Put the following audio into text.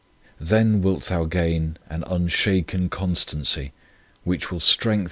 Then wilt thou gain an unshaken constancy, which will strengthen i Luke x.